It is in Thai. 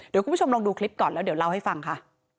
เดี๋ยวคุณผู้ชมลองดูคลิปก่อนแล้วเดี๋ยวเล่าให้ฟังค่ะ